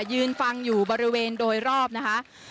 ยืนฟังอยู่บริเวณโดยรอบนะคะ